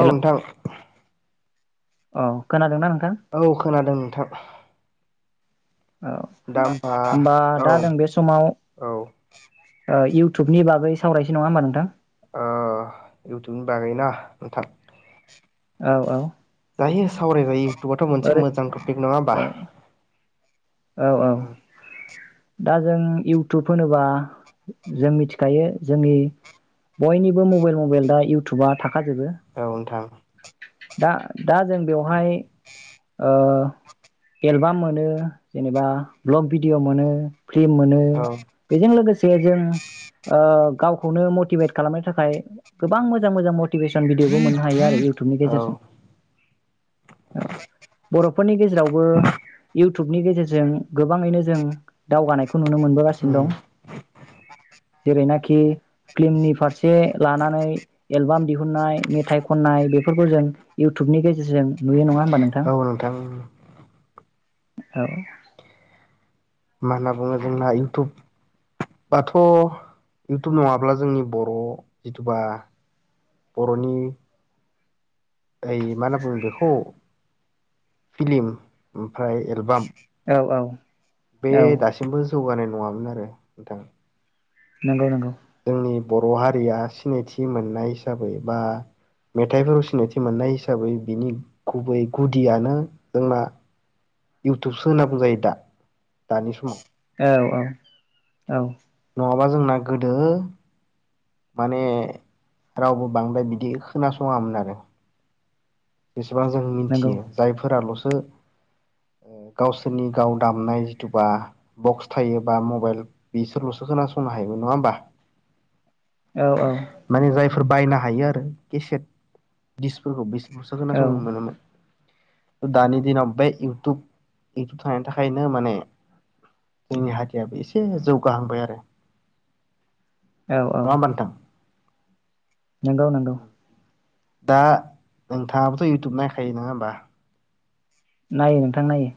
औ नोंथां। अ खोनादोंना नों औ खोनादों नोंथां। औ होमबा औ दा जों बे समाव औ इउटुबनि बागै सावरायनोसै नङा होनबा नोंथां। ओ इउटुबनि बागै ना नोंथां। औ औ जायो सावराय जायो। इउटुबाथ' मोनसे ओरै मोजां टपिक नङा होमबा। औ औ औ दा जों इउटुब होनोबा जों मिथिखायो जोंनि बयनिबो मबाइल मबाइल दा इउटुबा थायो औ नोंथां दा दा जों बेवहाय ओ एलबाम मोनो। जेनेबा ब्लग भिडिअ मोनो फिल्म मोनो औ बेजों लोगोसे जों ओ गावखौनो मटिभेट खालामनो थाखाय गोबां मोजां मोजां मटिभेसन भिडिअबो मोननो हायो आरो इउटुबनि औ गेजेरजों औ बर'फोरनि गेजेरावबो इउ टुबनि गेजेरजों जों गोबाङैनो जों दावगानायखौ खौ नुनो मोनबोगासिनो दं जेरैनाखि कि फिल्मनि फारसे लानानै एलबाम दिहुनन्नाय मेथाइ खननाय बेफोरखौ जों इउटुबनि गेजेरजों नुयो नङा औ नोंथां। औ मा होनना बुङो जोंना इउटुब बाथ इउटुब नङाब्ला जोंनि बर' जिथुबा बर'नि ओइ मा होनना बुंङो बेखौ फिल्म आमफ्राय एलबाम औ औ बे औ दासिमबो जौगानाय नङामोन आरो नोंथां। नंगौ नंगौ जोंनि बर' हारिया सिनायथि मोननाय हिसाबै बा मेथाइफोराव सिनायथि मोननाय हिसाबै बिनि गुबै गुदियानो जोंना इउटुबसो होनना बुंजायो दा दानि समाव। औ औ औ नङाबा जोंना गोदो माने रावबो बांद्राय बिदि खोनासङामोन आरो बेसेबां जों नंगौ मिथियो जायफोराल ओ गावसोरनि गाव दामनाय जिथुबा बक्स थायो बा मबाइल बिसोरलसो खोनासंनो हायोबो नङा होमबा? औ औ फोर बायनो हायो आरो केसेट दिसफोरखौ बि बुसाव [unintelligible] औ खोनासंनो मोनोमोन। दानि दिनाव बे इउटुब इउटुब थानायनि थाखायनो माने जोंनि हारियाबो एसे जौगाहांबाय आरो औ औ नङा होमबा नोंथां नोंगौ नोंगौ। दा नोंथाङाबोथ' इउटुब नायखायो नङा होमबा? नायो नोंथां। नायो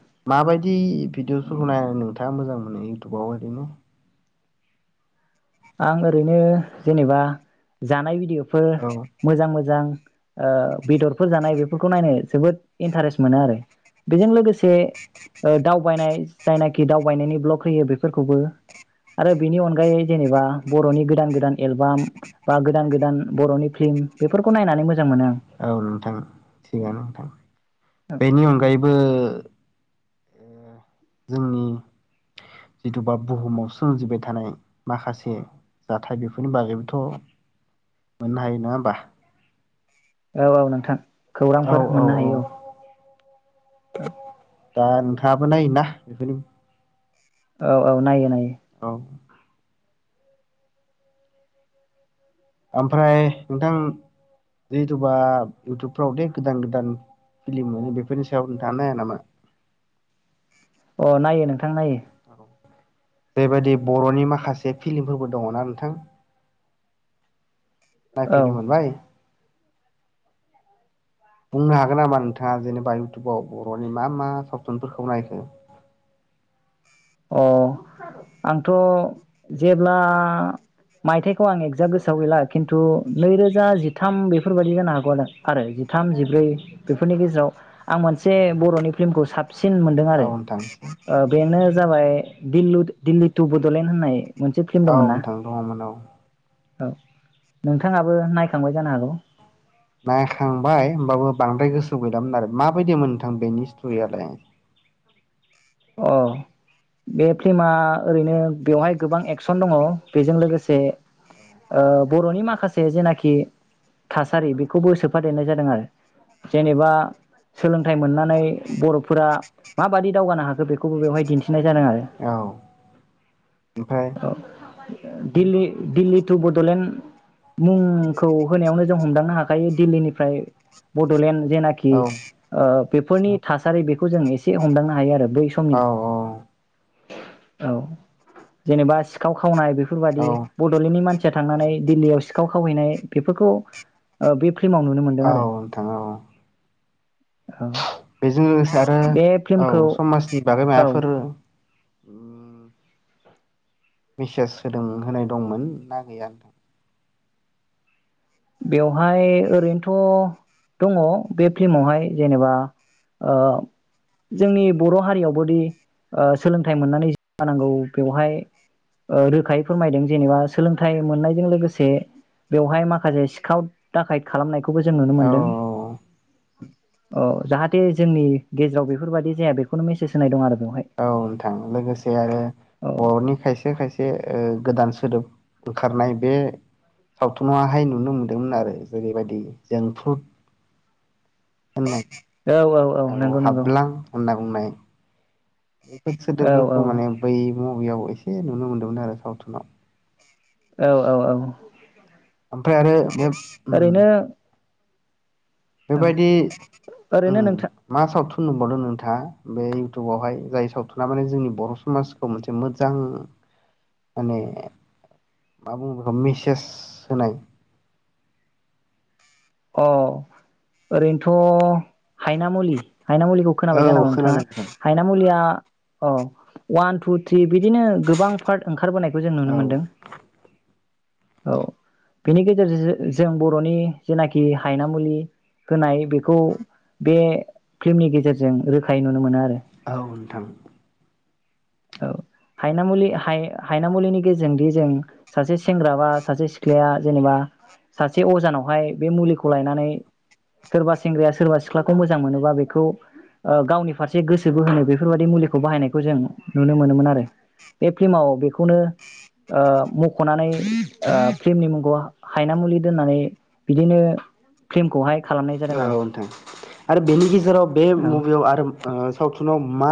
बिदि भिडिअसफोरखौ नायनानै नोंथाङा मोजां मोनो इयउटुबाव ओरैनो आं ओरैनो जेनेबा जानाय भिडिअ बेफोर औ मोजां मोजां ओ बेदरफोर जानाय बेफोरखौ नायनो जोबोद इन्टारेस्ट मोनो आरो बेजों लोगोसे दावबायनाय जायनाखि दावबायनायनि ब्लग होयो बेफोरखौबो आरो बेनि अनगायै जेनेबा बर'नि गोदान गोदान एलबाम बा गोदान गोदान बर'नि फिल्म बेफोरखौ नायनानै मोजां। मोनो औ नोंथां थिग [unintelligible] आनो नोंथां आं बेनि अनगायैबो। जोंनि जिथुबा बुहुमाव सोमजिबाय थानाय माखासे जाथाय बेफोरनि बागैबोथ' मोननो हायो नङा होमबा। औ औ नोंथां। खौरांफोर मोननो हायो औ। दा नोंथाङाबो नायोना बेफोरनि। औ औ नायो नायो। औ। ओमफ्राय नोंथां जिथुबा इउटुबफ्राव दे गोदान गोदान फिलिम मोनो बेफोरनि सायाव नोंथाङा नाया नामा। अ नायो नोंथां नायो। जैबायदि बर'नि माखासे फिलिमफोरबो दङना नोंथां। औ नायफिनो मोन बाय। बुंनो हागोन नामा नोंथाङा जेनेबा इउटुबाव बर'नि मा मा सपथुनफोरखौ नायखो। अ आंथ' जेब्ला मायथाइखौ आं एगजाग गोसोआव गैला खिन्थु नैरोजा जिथाम बेफोरबायाददि जानो हागौआनो आरो जिथाम जिब्रै बेफोरनि गेजेराव आं मोनसे बर'नि फिल्मखौ साब। सिन मोनदों औ नोंथां आरो बेनो। जाबाय दिलु दिल्ली टु बड'लेण्ड होननाय। मोनसे फिल्म औ दंमोन ना नोंथां दङमोन औ। औ नोंथाङाबो नायखांबाय जानो हागौ। नायखांबाय होमबाबो बांद्राय गोसो गैलामोन आरो माबायदिमोन नोंथां बेनि स्ट'रियालाय। अ बे फ्लमा ओरैनो बेवहाय गोबां एक्सन दङ बेजों लोगोसे ओ बर'नि माखासे जेनाखि थासारि बेखौबो सोफादेरनाय जादों आरो जेनेबा सोलोंथाइ मोननानै बर'फोरा माबादि दावगानो हाखो। बेखौबो बेहाय दिन्थिनाय। जादों आरो औ ओमफ्राय। दिल्ली दिल्ली टु बड'लेण्ड मुंखौ होनायावनो जों हमदांनो हाखायो दिल्लीनिफ्राय बड'लेण्ड। जनाखि औ आ। बेफोरनि थासारि बेखौ जों एसे हमदांनो हायो आरो बे। औ औ। औ जेनेबा सिखाव खावनाय बे। औ बेफोरबादि बड'लेण्डनि मानसि। थांनानै दिल्लीयाव सिखाव खावहैनाय बेफोरखौ ओ। फिल्माव नुनो मोनदों औ आरो नोंथाङो औ। औ बेजों लोगोसे आरो बे औ फिल्मखौ समाजनि। बे औ मफोर [unintelligible] [inaudible] मेसेज होदों होनाय दंमोन ना गैया। बेवहाय ओरैनोथ' दङ बे फिल्मावहाय जेनेबा ओ जोंनि बर' हारियावबोदि ओ सोलोंथाइ मोननानै जानांगौ बेवहाय रोखायै फोरमायदों जेनेबा सोलोंथाइ मोननायजों लोगोसे बेवहाय माखासे। सिखाव दाखाय खालामनायखौ। खौबो जों नुनो औ मोनदों। अ जाहाथे जोंनि गेजेराव बेफोरबायाददि जाया बेखौनो मेसेज होनाय दं आरो बेवहाय औ नोंथां लोगोसे आरो औ बर'नि खायसे खायसे ओ गोदान सोदोब ओंखारनाय बे सावथुनाववहाय नुनो मोनदोंमोन आरो जेरैबायदि जोंफु होन औ हाबलां होनना बुंनाय [unintelligible] एसे औ औ नुनो मोन्दोंमोन आरो सावथुनाव औ औ औ ओमफ्राय आरो बे उम ओरैनो औ बेबायदि ओरैनो नोंथां मा ओम सावथुन फबावदों नोंथाङ बे इउटुबावहाय जाय सावथुना माने जोंनि बर' समाजखौ मोनसे मोजां माने मा बुं बेखौ मेसेज होनाय अ ओरैनोथ' हायनामुलि हायनाामुलिखौ औ खोनाबाय जानांगौ नोंथाङा खोनादों नोंथां हायनाामुलिया अ वान टु थ्रि बिदिनो गोबां पार्ट ओंखा ओंखारबोनायखौ जों नुनो औ मोनदों औ बेनि गेजेरजों जो-जों बर'नि जेनाखि हायनाामुलि होनाय बेखौ बे फिल्मनि गेजेरजों रोखायै नुनो मोनो आरो औ नोंथां औ हायनामुलि हायनाामुलिनि गेजेरजोंदि जों सासे सेंग्रा बा सासे सिख्लाया जेनेबा सासे अजानावहाय बे मुलिखौ लायनानै सोरबा सेंग्राया सोरबा सिख्लाखौ मोजां मोनोबा बेखौ ओ गावनि फारसे गोसोबो होनो बेफोरबाददि मुलिखौ बाहायनायखौ जों नुनो मोनोमोन आरो बे फ्ल्माव बेखौनो ओ मख'नानै ओ फिल्मनि मुंखौ हायना मुलि दोननानै बिदिनो फिलमखौहाय औ नोंथां आरो बेनि गेजेराव बे औ मुभियाव आरो ओ सावथुनाव मा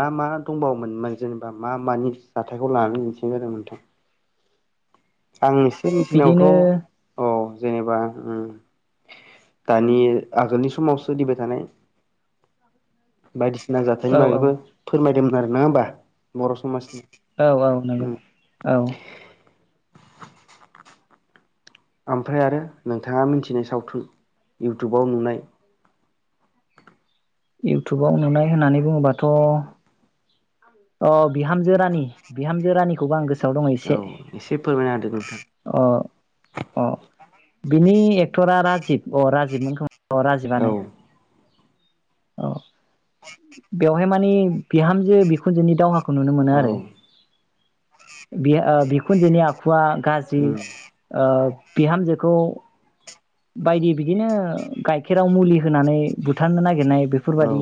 मा मा दंबावोमोन जेनेबा मा मानि जाथायखौ लानानै मिथिनाय जादों नोंथां आं नोंसोरनिथिनायावथ' बिदिनो औ जेनेबा दानि आगोलनि समावसोलिबाय थानाय बायदि नांजाथथायनि औ औ बागैबो फोरमायदोंमोन आरोना होमबा बर' समाजनि औ औ नंगौ उम औ [unintelligible] ओमफ्राय आरो नोंथाङा मिथिनाय सावथुन इउटुबाव नुनाय इउटुबाव नुनाय होननानै बुङोबाथ' अ बिहामजो रानि बिहामजो रानिखौबो आं गोसो द औ एसे एसे फोरमायना होदो नोंथां ओ ओ बिनि एक्टरा राज अ राजिब मोन अ राजिबा ने? औ औ बेवहाय माने बिहामजो बिखुनजोनि दावहा खौ नुनो मोनो औ आरो बि ओ बिखुनजोनि आखु वा गाज्रि उम ओ बिहामजोखौ बायदि बिदिनो गाइखेराव मुलि होनानै बुथारनो नाग गिरनाय औ बेफोरबादि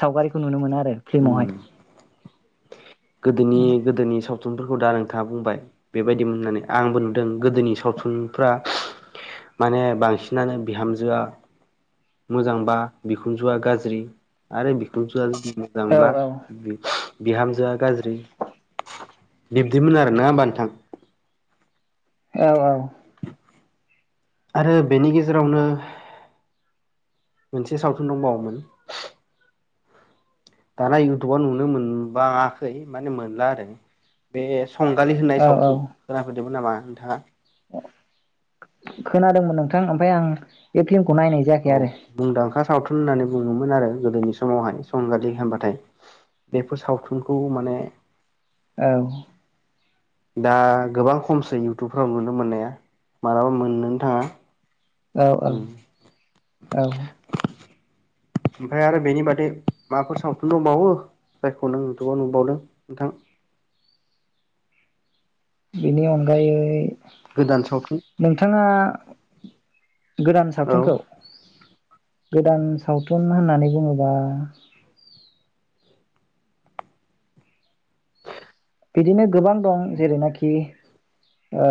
सावगारिखौ नुनो मोनो आ रो उम फिलिमावहाय गोदोनि गोदोनि सावथुनफोरखौ दा नोंथाङा बुंबाय बेबायदिमोन होननानै आंबो नुदों गोदोनि सावथुनफ्रा माने बांसिनानो बिहामजोआ मोजांबा बिखुनजुआ गाज्रि आरो बिखुनजुआ औ मोजांब्ला बि बिहामजोआ गाज्रि बिब्दिमोन आरोना होमबा नोंथां। औ‌ औ आरो बेनि गेजेरावनो मोनसे सावथुन दंबावोमोन दाना इउटुबाव नुनो मोनबाङाखै माने मोनला आरो बे संगालि होननाय औ सावथुन औ खोनाफेर नंगौ नामा नोंथाङा? खोनादोंमोन नोंथां ओमफाय आं बे फिलिम खौ नायनाय औ जायाखै आरो मुंदांखा सावथुन होननानै बुङोमोन आरो गोदोनि समावहाय संगालि होनबाथाय बेफोर सावथुनखौ माने औ दा गोबां खमसै इउटुबफ्राव नुनो मोननाया मालाबा मोननोनो थाङा ओ औ ओमफ्राय औ ओमफाय आरो बेनि बादै माबाफोर सावथुन दंबावो जायखौ नों इउटुबाव नुबावदों नोंथां? बिनि अनगायै गोदान सावथुन नोंथाङा गोदान औ सावथुनखौ? गोदान सावथुन होननानै बुङोबा बिदिनो गोबां दं जेरैनाखि ओ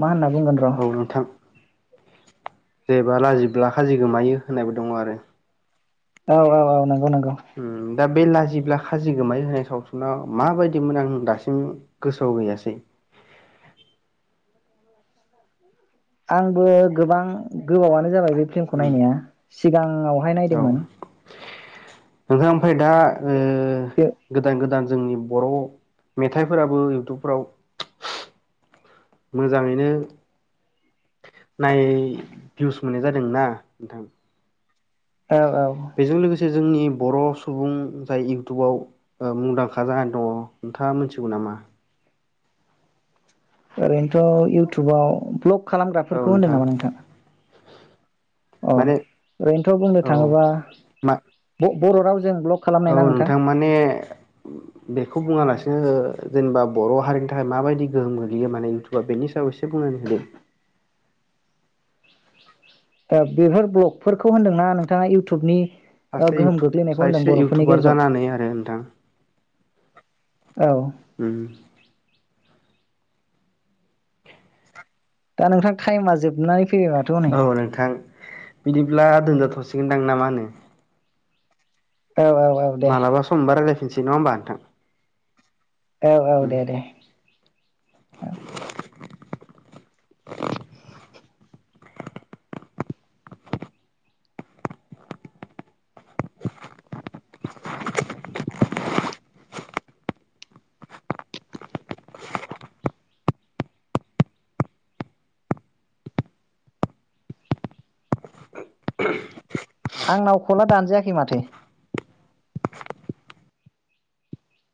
मा होनना बुंगोन र' औ नोंथां जेब्ला लाजिब्ला खाजि गोमायो होननायबो दङ आरो। औ औ औ नंगौ‌ नंगौ [inaudible] उम दा बे लाजिब्ला खाजि गोमायो होननाय सावथुना माबायदिमोन आं दासिम गोसोआव गैयासै। आंबो गोबां गोबावानो जाबाय। बे फिल्मखौ उम नायनाया सिगाङावहाय औ नायदोंमोन। नोंथां ओमफ्राय दा ओ बे गोदान गोदान जोंनि बर' मेथाइफोराबो इउटुबफ्राव मोजाङैनो नाय भिउस मोननाय जादों ना नोंथां। औ औ बेजों लोगोसे जोंनि बर' सुबुं जाय इउटुबाव ओ मुंदांखा जानानै दङ नोंथाङा मिथिगौ नामा? ओरैनोथ' इउटुबाव भ्लग खालामग्राफोरखौ होनदों नामा नोंथां? अ माने ओरैनोथ' बुंनो औ थाङोबा मा ब बर' रावजों ब्ल'क औ नोंथां माने बेखौ बेखौ बुङालासिनो जेनेबा बर' हारिनि थाखाय माबायदि गोहोम गोग्लैयो माने इयउटुबा बेनि सायाव एसे बुंनानै होदों। ओ बेफोर ब्लगफोरखौ होनदोंना नोंथाङा इउटुबनि ओ सासे गोहोम इउटुब गोग्लैनायखौ होनदों सासे बर'फोरनि इउटुबार गेजेराव जानानै आरो नोंथां औ ओम [unintelligible] दा नोंथां टाइमा जोबनानै फैबाय माथो हनै औ नोंथां बिदिब्ला दोनजाथ'सि गोनदां ना मा होनो? औ औ औ दे मालाबा सम मोनबा रायलायफिनसै नङा होनबा नोंथां। औ औ दे दे उम आंनाव कला दानजायाखै माथो